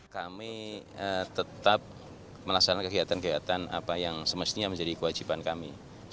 kami tetap melaksanakan kegiatan kegiatan apa yang semestinya menjadi kewajiban kami